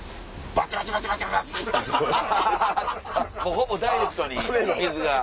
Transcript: ほぼダイレクトに水が。